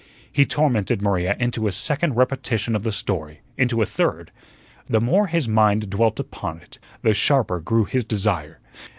He tormented Maria into a second repetition of the story into a third. The more his mind dwelt upon it, the sharper grew his desire.